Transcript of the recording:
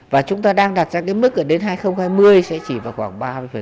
và chúng ta đang đặt ra cái mức ở đến hai nghìn hai mươi sẽ chỉ vào khoảng ba mươi